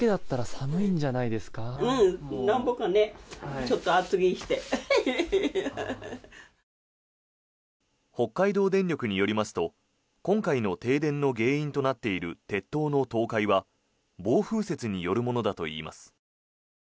北海道電力によりますと今回の停電の原因となっている鉄塔の倒壊は暴風雪によるものだといいます。